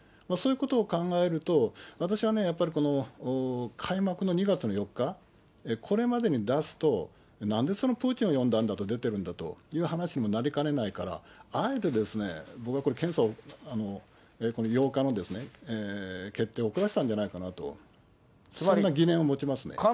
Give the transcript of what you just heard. そういうことを考えると、私はね、やっぱりこの、開幕の２月の４日、これまでに出すと、なんでそんなプーチンを呼んだんだと、出てるんだという話になりかねないから、あえてですね、僕はこれ、検査を、８日の決定を遅らせたんじゃないかなと、そんな疑念を持ちますね。